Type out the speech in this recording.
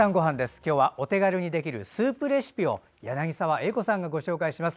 今日はお手軽にできるスープレシピを柳澤英子さんがご紹介します。